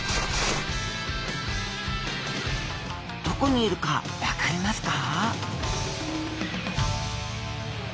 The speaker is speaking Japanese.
どこにいるか分かりますか？